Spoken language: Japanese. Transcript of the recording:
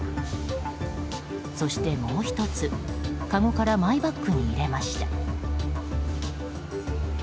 そして、もう１つかごからマイバッグに入れました。